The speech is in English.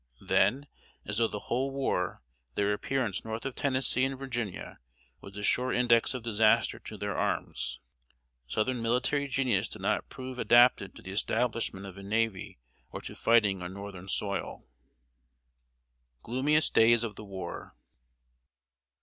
Then, as through the whole war, their appearance north of Tennessee and Virginia was the sure index of disaster to their arms. Southern military genius did not prove adapted to the establishment of a navy, or to fighting on Northern soil. [Sidenote: GLOOMIEST DAYS OF THE WAR.